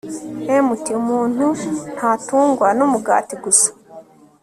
Mt umuntu ntatungwa n umugati gusa